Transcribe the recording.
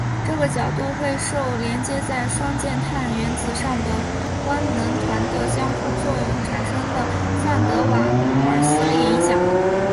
这个角度会受连接在双键碳原子上的官能团的交互作用产生的范德瓦耳斯力影响。